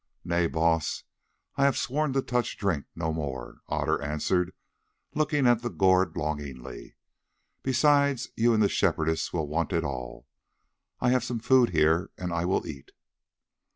"Nay, Baas, I have sworn to touch drink no more," Otter answered, looking at the gourd longingly; "besides you and the Shepherdess will want it all. I have some food here and I will eat."